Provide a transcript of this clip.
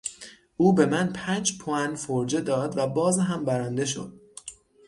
او به من پنج پوان فرجه داد و باز هم برنده شد!